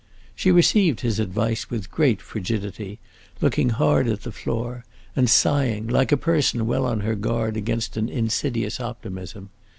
She received his advice with great frigidity, looking hard at the floor and sighing, like a person well on her guard against an insidious optimism.